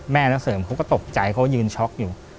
นักเสริมเขาก็ตกใจเขายืนช็อกอยู่